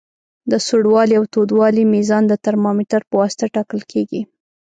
د سوړوالي او تودوالي میزان د ترمامتر پواسطه ټاکل کیږي.